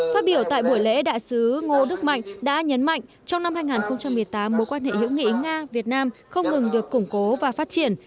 phát biểu tại buổi lễ đại sứ ngô đức mạnh đã nhấn mạnh trong năm hai nghìn một mươi tám mối quan hệ hữu nghị nga việt nam không ngừng được củng cố và phát triển